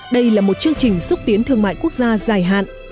đây là một chương trình xúc tiến thương mại quốc gia dài hạn